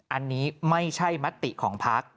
อันนี้ไม่ใช่มติของพัก